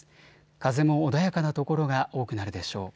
風も穏やかな所が多くなるでしょう。